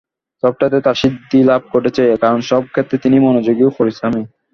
সবটাতেই তাঁর সিদ্ধিলাভ ঘটেছে, কারণ সব ক্ষেত্রেই তিনি মনোযোগী ও পরিশ্রমী।